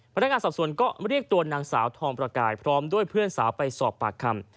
พนักงานสอบสวนก็เรียกตัวนางสาวทองประกายพร้อมด้วยเพื่อนสาวไปสอบปากคำ